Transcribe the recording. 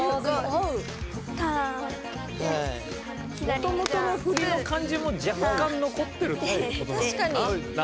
もともとの振りの感じも若干残ってるっていうことなのかな？